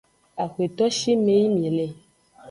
Axweto shime yi mi le.